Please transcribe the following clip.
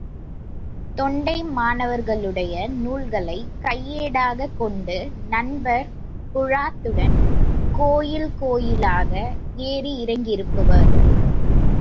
தொண்டைமானவர்களுடைய நூல்களைக் கையேடாகக் கொண்டு, நண்பர் குழாத்துடன் கோயில் கோயிலாக ஏறி இறங்கியிருப்பவர்.